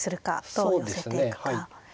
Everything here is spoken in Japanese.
どう寄せていくか。